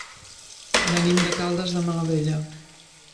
Venim de Caldes de Malavella.